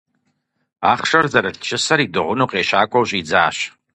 Ахъшэр зэрылъ чысэр идыгъуну къещакӀуэу щӀидзащ.